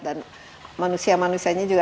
dan manusia manusianya juga